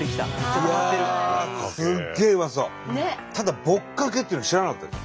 ただぼっかけっていうの知らなかったです。